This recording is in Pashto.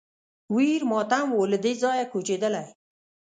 ویر ماتم و له دې ځایه کوچېدلی